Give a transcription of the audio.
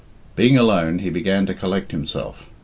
Being alone, he began to collect himself.